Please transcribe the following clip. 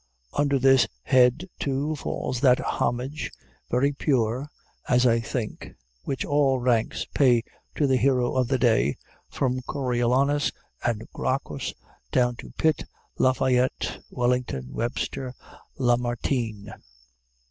Under this head, too, falls that homage, very pure, as I think, which all ranks pay to the hero of the day, from Coriolanus and Gracchus, down to Pitt, Lafayette, Wellington, Webster, Lamartine.